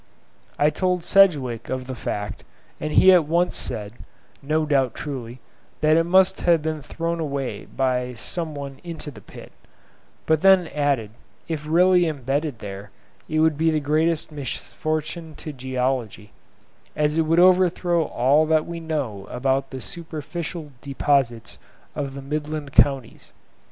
I told Sedgwick of the fact, and he at once said (no doubt truly) that it must have been thrown away by some one into the pit; but then added, if really embedded there it would be the greatest misfortune to geology, as it would overthrow all that we know about the superficial deposits of the Midland Counties.